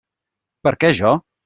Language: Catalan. Per què jo?